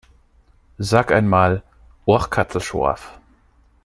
Sag ein mal "Oachkatzlschwoaf"!